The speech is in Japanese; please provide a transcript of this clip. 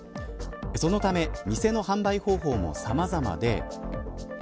そのため店の販売方法もさまざまで。